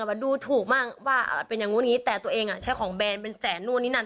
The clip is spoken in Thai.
ว่าดูถูกมากว่าเป็นอย่างนู้นอย่างนี้แต่ตัวเองอ่ะใช้ของแบรนดเป็นแสนนู่นนี่นั่น